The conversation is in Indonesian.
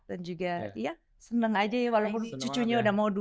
dan juga ya seneng aja ya walaupun cucunya udah mau dua